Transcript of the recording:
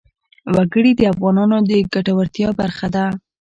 وګړي د افغانانو د ګټورتیا برخه ده.